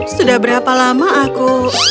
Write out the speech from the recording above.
sudah berapa lama aku